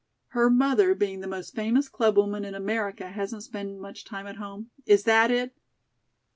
"Her mother, being the most famous clubwoman in America, hasn't spent much time at home? Is that it?"